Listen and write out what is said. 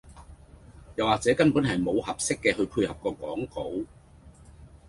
又或者根本係無合適嘅去配合個講稿